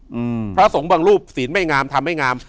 อืมพระสงฆ์บางรูปศีลไม่งามทำไม่งาม